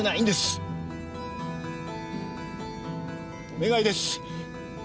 お願いです